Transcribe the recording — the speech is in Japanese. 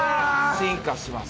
進化します。